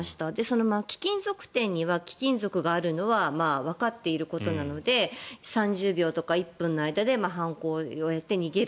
貴金属店には貴金属があるというのはわかっていることなので３０秒とか１分の間で犯行を終えて逃げる。